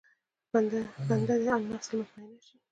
بنده دې النفس المطمئنه شي.